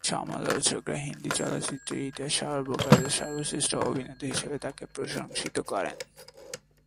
সমালোচকরা হিন্দি চলচ্চিত্রের ইতিহাসে সর্বকালের সর্বশ্রেষ্ঠ অভিনেতা হিসেবে তাকে প্রশংসিত করেন।